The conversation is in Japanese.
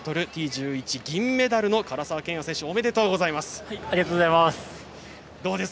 １１銀メダルの唐澤剣也選手ありがとうございます。